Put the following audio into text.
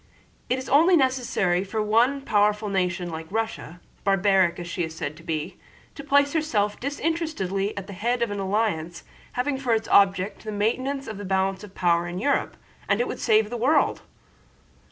"It is only necessary for one powerful nation like Russia—barbaric as she is said to be—to place herself disinterestedly at the head of an alliance having for its object the maintenance of the balance of power of Europe, and it would save the world!"